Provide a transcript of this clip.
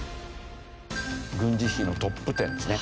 軍事費のトップ１０ですね。